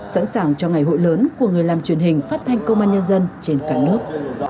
sẵn sàng cho ngày hội lớn của người làm truyền hình phát thanh công an nhân dân trên cả nước